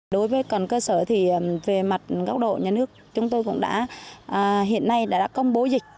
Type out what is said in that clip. đối với còn cơ sở thì về mặt góc độ nhà nước chúng tôi cũng đã hiện nay đã công bố dịch